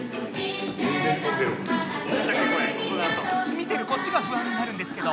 見てるこっちがふあんになるんですけど。